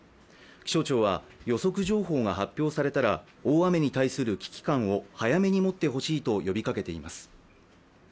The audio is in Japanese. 気象庁は、予測情報が発表されたら大雨に対する危機感を早めに持ってほしいと呼びかけています。